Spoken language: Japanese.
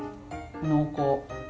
濃厚。